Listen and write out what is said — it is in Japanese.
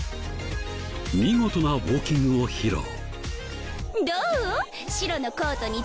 見事なウォーキングを披露。